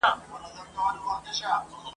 ور څرګند د رڼا ګانو حقیقت وي ..